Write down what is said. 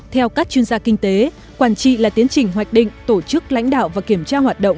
theo các chuyên gia kinh tế quản trị là tiến trình hoạch định tổ chức lãnh đạo và kiểm tra hoạt động